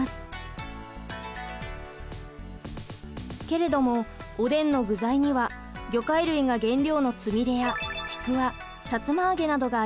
けれどもおでんの具材には魚介類が原料のつみれやちくわさつま揚げなどがあります。